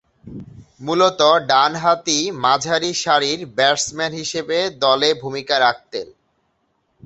মূলতঃ ডানহাতি মাঝারিসারির ব্যাটসম্যান হিসেবে দলে ভূমিকা রাখতেন।